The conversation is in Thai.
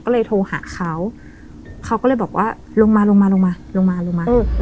พอยก็เลยโทรหาเขาเขาก็เลยบอกว่าลงมาลงมาลงมาลงมาลงมาเออเออ